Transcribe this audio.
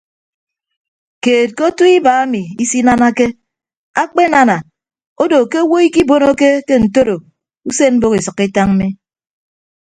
Keed ke otu iba emi isinanake akpenana odo ke owo ikibonoke ke ntoro usen mboho esʌkkọ etañ mi.